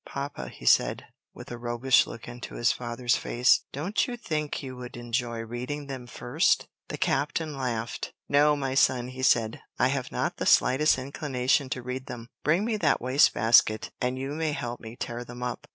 "Papa," he said, with a roguish look into his father's face, "don't you think you would enjoy reading them first?" The captain laughed. "No, my son," he said; "I have not the slightest inclination to read them. Bring me that waste basket and you may help me tear them up."